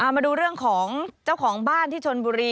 มาดูเรื่องของเจ้าของบ้านที่ชนบุรี